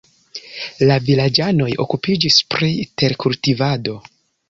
La vilaĝanoj okupiĝis pri terkultivado.